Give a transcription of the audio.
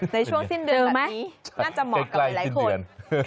ในช่วงสิ้นเดือนไหมน่าจะเหมาะกับหลายคน